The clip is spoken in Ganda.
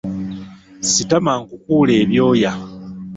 Sitama nkukuule ebyoya.